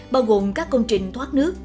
bao gồm các công trình thoát nước